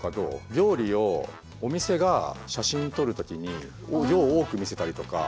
料理をお店が写真撮る時に量を多く見せたりとか。